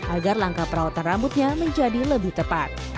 agar langkah perawatan rambutnya menjadi lebih tepat